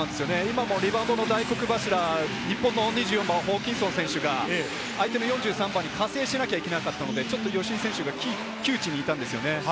リバウンドの大黒柱、日本の２４番、ホーキンソン選手が相手の４３番に加勢しなきゃいけなかったので、吉井選手が窮地にいたんですよね。